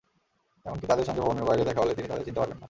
এমনকি তাদের সঙ্গে ভবনের বাইরে দেখা হলে তিনি তাদের চিনতে পারবেন না।